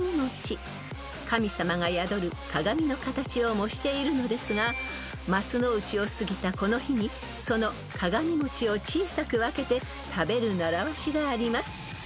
［神様が宿る鏡の形を模しているのですが松の内を過ぎたこの日にその鏡餅を小さく分けて食べる習わしがあります］